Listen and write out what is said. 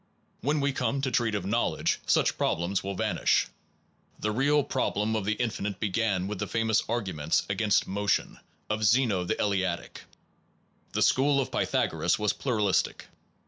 When we come to treat of knowledge, such problems will vanish. The real problem of the infinite began with the famous argu ments against motion, of Zeno the Eleatic. The school of Pythagoras was pluralistic.